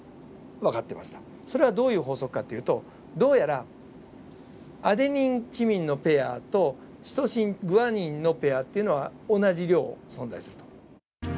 それはどういう法則かというとどうやらアデニンチミンのペアとシトシングアニンのペアっていうのは同じ量存在すると。